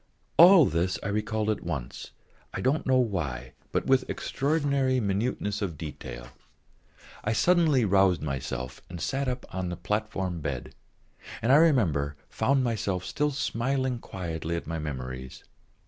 All this I recalled all at once, I don't know why, but with extraordinary minuteness of detail. I suddenly roused myself and sat up on the platform bed, and, I remember, found myself still smiling quietly at my memories.